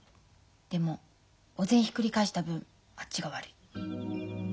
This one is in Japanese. でもお膳ひっくり返した分あっちが悪い。